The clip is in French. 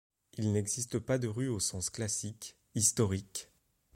Il n'existe pas de rue au sens classique, historique.